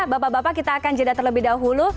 bapak bapak kita akan jeda terlebih dahulu